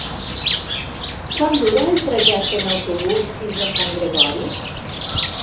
Quant dura el trajecte en autobús fins a Sant Gregori?